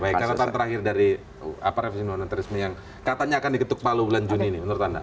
baik katakan terakhir dari apa revisi nusantarisme yang katanya akan diketuk palu bulan juni ini menurut anda